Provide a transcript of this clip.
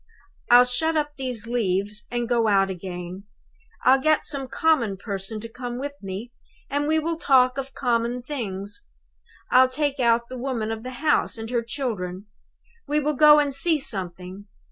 I'll shut up these leaves and go out again. I'll get some common person to come with me, and we will talk of common things. I'll take out the woman of the house, and her children. We will go and see something.